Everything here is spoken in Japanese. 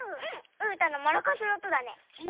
うーたんのマラカスのおとだね。ね。